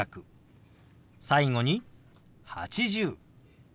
最後に「８０」。